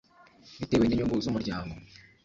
bitewe n’inyungu z’umuryango